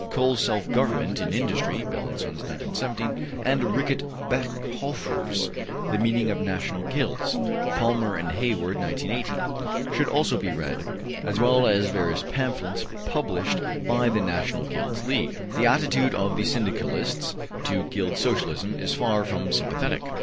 Cole's ``Self Government in Industry'' (Bell & Sons, 1917) and Rickett & Bechhofer's ``The Meaning of National Guilds'' (Palmer & Hayward, 1918) should also be read, as well as various pamphlets published by the National Guilds League. The attitude of the Syndicalists to Guild Socialism is far from sympathetic.